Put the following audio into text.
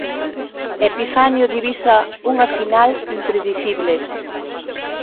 Epifanio divisa unha final impredicible.